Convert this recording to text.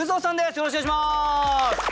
よろしくお願いします。